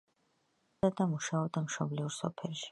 ცხოვრობდა და მუშაობდა მშობლიურ სოფელში.